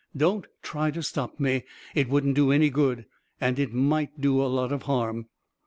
u Don't try to stop me. It wouldn't do any good — and it might do a lot of harm."